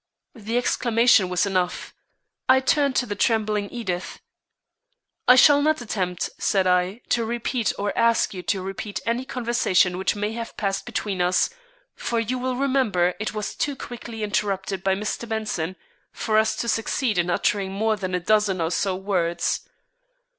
The exclamation was enough. I turned to the trembling Edith. "I shall not attempt," said I, "to repeat or ask you to repeat any conversation which may have passed between us, for you will remember it was too quickly interrupted by Mr. Benson for us to succeed in uttering more than a dozen or so words.